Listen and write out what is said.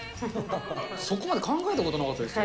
そこまで考えたことなかったですよ。